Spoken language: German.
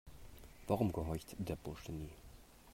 Warum gehorcht der Bursche nie?